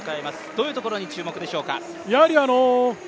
どういうところに注目でしょうか？